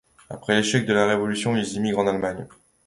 Après l'échec de la révolution, il émigre en Allemagne.